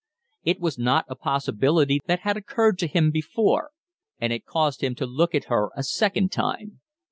It was not a possibility that had occurred to him before, and it caused him to look at her a second time.